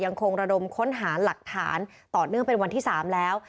ยังคงระดมค้นหาหลักฐานต่อเนื่องเป็นวันที่๓แล้ว